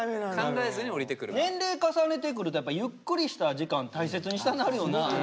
年齢重ねてくるとやっぱゆっくりした時間大切にしたなるよな。